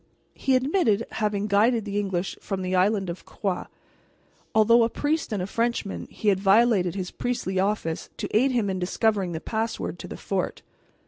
He admitted having guided the English from the island of Groix. Although a priest and a Frenchman, he had violated his priestly office to aid him in discovering the password to the fort.